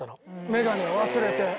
眼鏡忘れて。